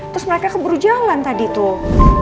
terus mereka keburu jalan tadi tuh